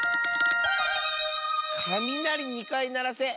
「かみなりにかいならせ」。